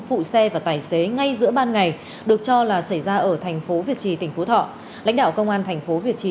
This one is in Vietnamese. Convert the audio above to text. phụ xe và tài xế ngay giữa ban ngày được cho là xảy ra ở tp hcm lãnh đạo công an tp hcm